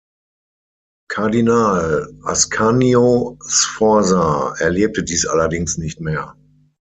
Kardinal Ascanio Sforza erlebte dies allerdings nicht mehr.